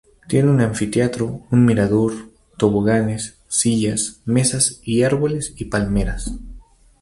Tiene un anfiteatro, un mirador, toboganes, sillas, mesas y árboles y palmeras.